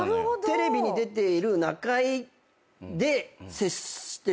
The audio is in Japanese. テレビに出ている中居で接してる感じかな。